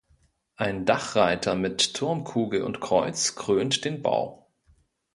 Ein Dachreiter mit Turmkugel und Kreuz krönt den Bau.